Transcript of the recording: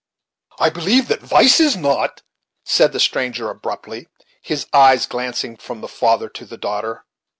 "I believe that vice is not," said the stranger abruptly; his eye glancing from the father to the daughter.